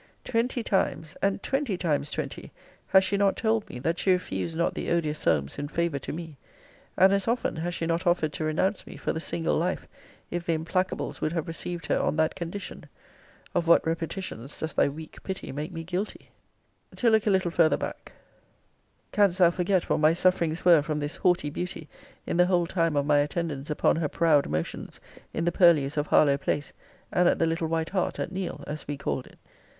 Twenty times, and twenty times twenty, has she not told me, that she refused not the odious Solmes in favour to me? And as often has she not offered to renounce me for the single life, if the implacables would have received her on that condition? Of what repetitions does thy weak pity make me guilty? To look a litter farther back: Canst thou forget what my sufferings were from this haughty beauty in the whole time of my attendance upon her proud motions, in the purlieus of Harlowe place, and at the little White Hart, at Neale, as we called it?